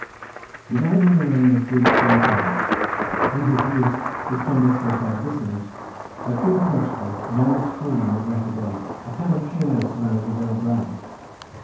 He died in the reign of good Queen Anne. In his youth his conduct was rather dissolute, but irreproachable and almost holy in his latter days—a kind of halo surrounded his old brow.